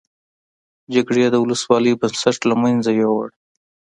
جګړې د ولسواکۍ بنسټ له مینځه یوړ.